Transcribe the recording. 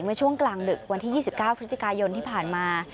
เมื่อช่วงกลางดึกวันที่๒๙พฤศจิกายนที่ผ่านมา